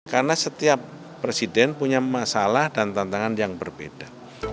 karena setiap presiden punya masalah dan tantangan yang berbeda